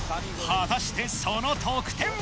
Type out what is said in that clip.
果たしてその得点は？